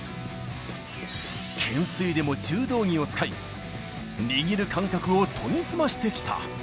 懸垂でも柔道着を使い、握る感覚を研ぎ澄ましてきた。